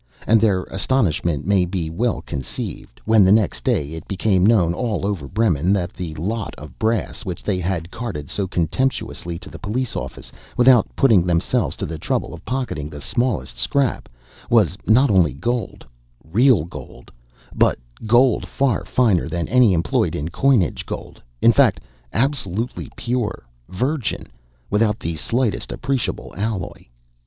And their astonishment may be well conceived, when the next day it became known, all over Bremen, that the "lot of brass" which they had carted so contemptuously to the police office, without putting themselves to the trouble of pocketing the smallest scrap, was not only gold—real gold—but gold far finer than any employed in coinage—gold, in fact, absolutely pure, virgin, without the slightest appreciable alloy.